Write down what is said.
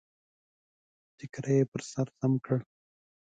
ټکری يې پر سر سم کړ.